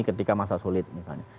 ketika masa sulit misalnya